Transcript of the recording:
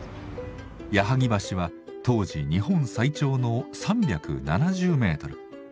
矢作橋は当時日本最長の３７０ｍ。